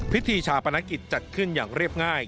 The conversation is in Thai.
พิธีชาปนกิจจัดขึ้นอย่างเรียบง่าย